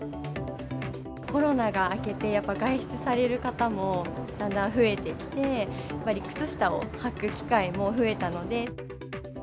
コロナが明けて、やっぱり外出される方もだんだん増えてきて、やっぱり靴下をはく機会も増えたので。